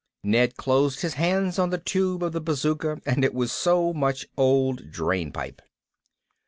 Ned closed his hand on the tube of the bazooka and it was so much old drainpipe.